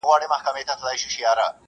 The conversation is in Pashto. یو بوډا چي وو څښتن د کړوسیانو!.